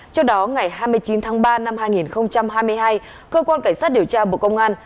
trước đó ngày hai mươi chín tháng ba năm hai nghìn hai mươi hai cơ quan cảnh sát điều tra bộ công an